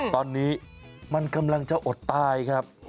ตอนนี้มันกำลังจะอดตายครับ